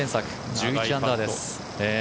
１１アンダーです。